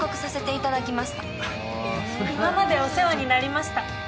今までお世話になりました。